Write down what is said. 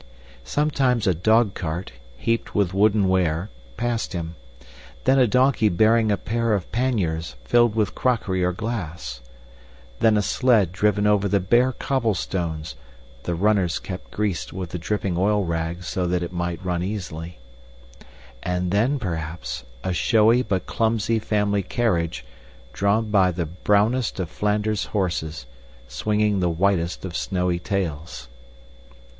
Sometimes a dogcart, heaped with wooden ware, passed him; then a donkey bearing a pair of panniers filled with crockery or glass; then a sled driven over the bare cobblestones (the runners kept greased with a dripping oil rag so that it might run easily); and then, perhaps, a showy but clumsy family carriage, drawn by the brownest of Flanders horses, swinging the whitest of snowy tails.